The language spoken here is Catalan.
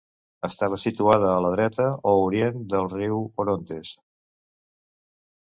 Estava situada a la dreta o orient del riu Orontes.